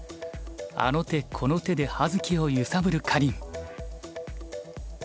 あの手この手で葉月を揺さぶるかりん。